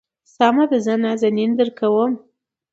سمه ده زه نازنين درکوم.